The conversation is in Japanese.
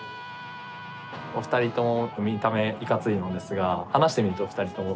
お二人とも見た目はいかついのですが話してみるとお二人とも